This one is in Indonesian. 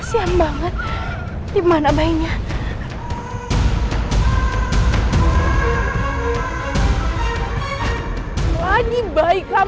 saya dihormati bisa berlari sampe przygot